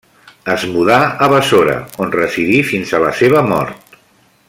Es mudà a Bàssora, on residí fins a la seva mort.